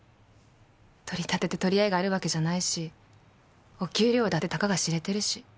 取り立ててとりえがあるわけじゃないしお給料だってたかがしれてるし。